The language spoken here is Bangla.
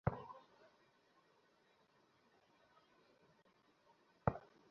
ভেতরে যে আছো, শোনো।